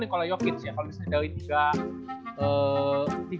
nikola jokic ya kalau misalnya dari tiga